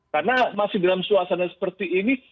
karena masih dalam suasana seperti ini